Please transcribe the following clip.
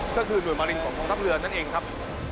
ก็คือหน่วยมารินของกองทัพเรือนั่นเองครับ